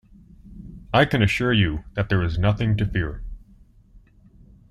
I can assure you that there is nothing to fear